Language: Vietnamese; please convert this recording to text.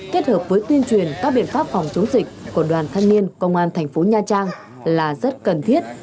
kết hợp với tuyên truyền các biện pháp phòng chống dịch của đoàn thân niên công an tp nha trang là rất cần thiết